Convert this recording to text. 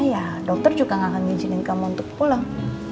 ya dokter juga gak akan minjinin kamu untuk pulang